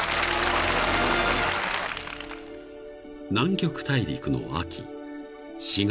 ［南極大陸の秋４月］